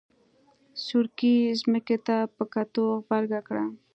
سورکي ځمکې ته په کتو غبرګه کړه.